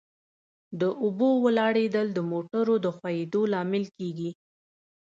د اوبو ولاړېدل د موټرو د ښوئیدو لامل کیږي